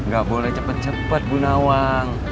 gak boleh cepat cepat bu nawang